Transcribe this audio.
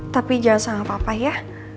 tapi jangan sama papa ya